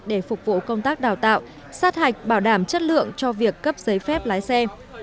để phục vụ công tác đào tạo sát hạch bảo đảm chất lượng cho việc cấp giấy phép lái xe